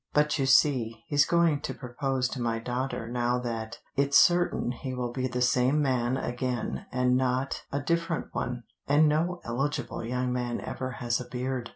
But you see, he's going to propose to my daughter now that it's certain he will be the same man again and not a different one, and no eligible young man ever has a beard.